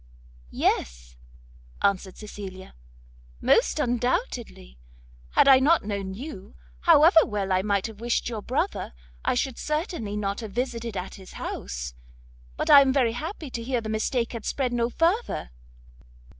"Yes," answered Cecilia, "most undoubtedly; had I not known you, however well I might have wished your brother, I should certainly not have visited at his house. But I am very happy to hear the mistake had spread no further."